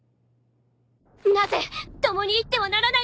なぜ共に行ってはならないのですか！